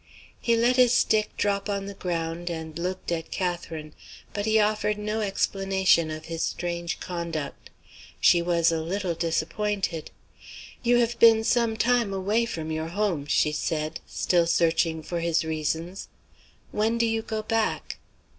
He let his stick drop on the ground and looked at Catherine; but he offered no explanation of his strange conduct. She was a little disappointed. "You have been some time away from your Home," she said; still searching for his reasons. "When do you go back?"